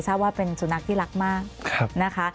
ทราบว่าเป็นสุดนักที่รักมาก